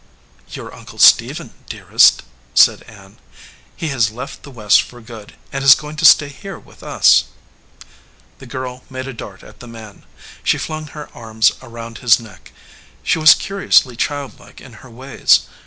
"Your uncle Stephen, dearest," said Ann. "He has left the West for good, and is going to stay here with us." The girl made a dart at the man. She flung her arms around his neck. She was curiously child like in her ways.